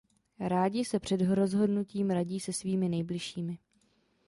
Rádi se před rozhodnutím radí se svými nejbližšími.